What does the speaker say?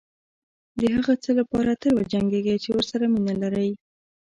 دهغه څه لپاره تل وجنګېږئ چې ورسره مینه لرئ.